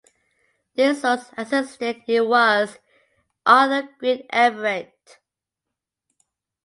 This source asserts it was Arthur Green Everett.